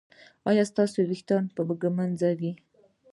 ایا ستاسو ویښتان به ږمنځ وي؟